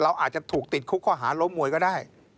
อาจจะถูกติดคุกข้อหาล้มมวยก็ได้